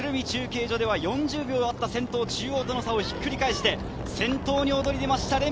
中継所では４０秒あった先頭・中央との差をひっくり返して、先頭に躍り出ました。